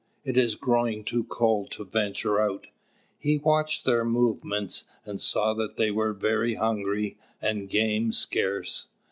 It is growing too cold to venture out." He watched their movements, and saw that they must be very hungry, and game scarce.